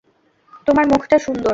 তোমার মুখটা সুন্দর।